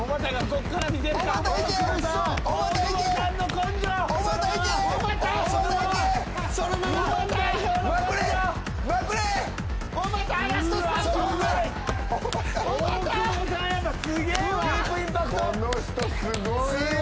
この人すごいわ。